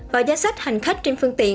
và danh sách hành khách trên phương tiện